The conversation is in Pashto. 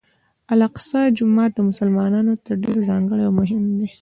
الاقصی جومات مسلمانانو ته ډېر ځانګړی او مهم دی.